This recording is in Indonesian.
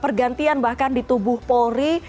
pergantian bahkan di tubuh polri